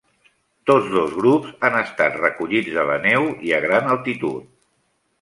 Tots dos grups han estat recollits de la neu i a gran altitud.